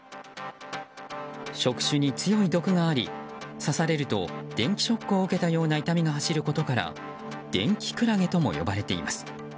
触手に強い毒があり刺されると電気ショックを受けたような痛みが走ることから電気クラゲとも呼ばれています。